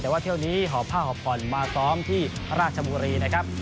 แต่ว่าเที่ยวนี้หอบผ้าหอบผ่อนมาซ้อมที่ราชบุรีนะครับ